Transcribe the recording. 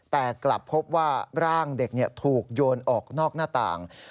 แต่กลับพบว่าร่างเด็กถูกโยนออกนอกหน้าต่าง